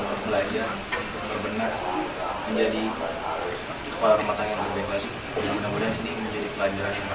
mohon maaf sebesar besar kepada pihak keluarga di sini ibu ibu keluarga saya